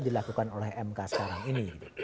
dilakukan oleh mk sekarang ini